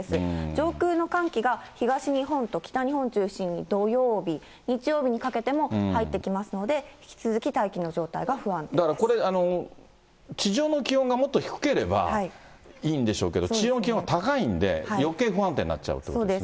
上空の寒気が東日本と北日本中心に、土曜日、日曜日にかけても入ってきますので、だからこれ、地上の気温がもっと低ければいいんでしょうけど、地上の気温が高いんで、よけい不安定になっちゃうということですね。